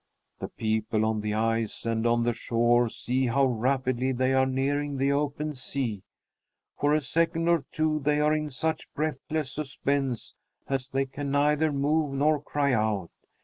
The people on the ice and on the shore see how rapidly they are nearing the open sea. For a second or two they are in such breathless suspense that they can neither move nor cry out.